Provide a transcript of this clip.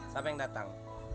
siapa yang datang